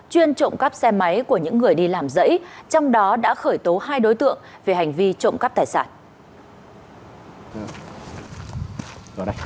chuyên trộm cắp xe máy của những người đi làm dãy trong đó đã khởi tố hai đối tượng về hành vi trộm cắp tài sản